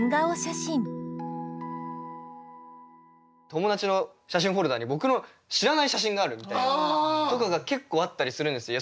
友達の写真フォルダに僕の知らない写真があるみたいな。とかが結構あったりするんですよ。